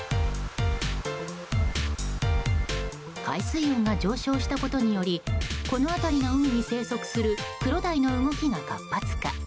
海水温が上昇したことによりこの辺りの海に生息するクロダイの動きが活発化。